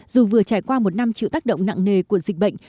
dù vừa trải qua một năm chịu tác động nặng nề của dịch bệnh